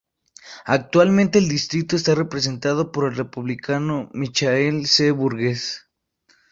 Actualmente el distrito está representado por el Republicano Michael C. Burgess.